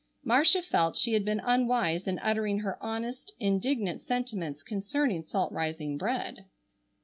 Marcia felt she had been unwise in uttering her honest, indignant sentiments concerning salt rising bread.